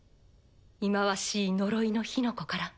忌まわしい呪いの火の粉から。